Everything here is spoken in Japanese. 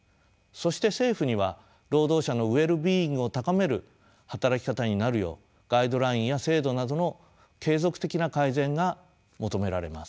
そして政府には労働者のウェルビーイングを高める働き方になるようガイドラインや制度などの継続的な改善が求められます。